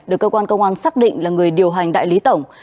được cơ quan công an xác định là người điều hành đại lý tổng